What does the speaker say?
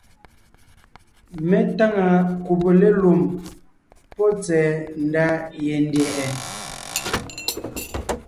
Mé táŋa kùbe lélùm pɔ́ tsɛ̀ɛ ndá yendyɛ̀ʼɛ.